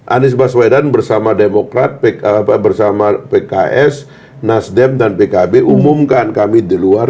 anies baswedan bersama demokrat bersama pks nasdem dan pkb umumkan kami di luar